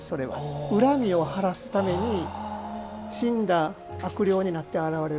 恨みを晴らすために死んだら、悪霊になって現れる。